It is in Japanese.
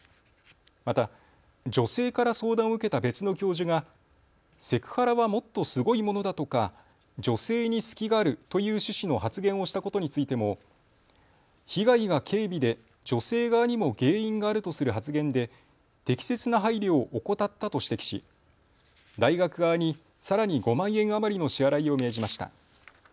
また女性から相談を受けた別の教授が、セクハラはもっとすごいものだとか女性に隙があるという趣旨の発言をしたことについても被害が軽微で女性側にも原因があるとする発言で適切な配慮を怠ったと指摘し大学側にさらに５万円余りの支払いを命じました。